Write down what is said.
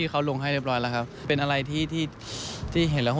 และก็ขอมมุมคอมเมนต์เราก็เป็นพี่น้องกันอยู่แล้ว